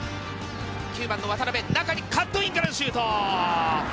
９番の渡辺、カットインのシュート。